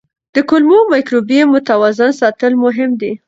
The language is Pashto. د کولمو مایکروبیوم متوازن ساتل مهم دي.